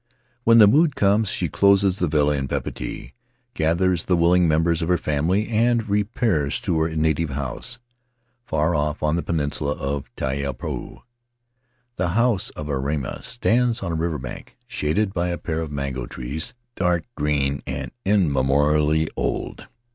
When the mood comes she closes the villa in Papeete, gathers the willing members of her family, and repairs to her native house, far off on the peninsula of Taiarapu. The house of Airima stands on the river bank, shaded by a pair of mango trees, dark green and immemorially old.